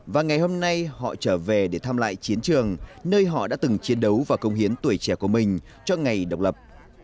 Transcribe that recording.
và ngày hôm nay họ trở về để thăm lại chiến trường nơi họ đã từng chiến đấu và công hiến tuổi trẻ của mình cho ngày độc lập